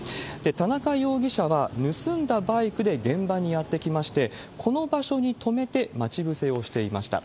田中容疑者は盗んだバイクで現場にやって来まして、この場所に止めて待ち伏せをしていました。